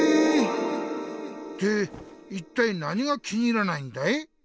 って一体何が気に入らないんだい？